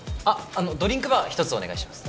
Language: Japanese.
ドリンクバー一つお願いします